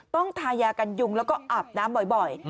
ทายากันยุงแล้วก็อาบน้ำบ่อย